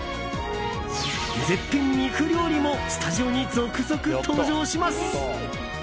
絶品肉料理もスタジオに続々登場します。